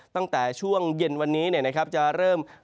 ตั้งแต่ช่วงเย็นวันนี้จะเริ่ม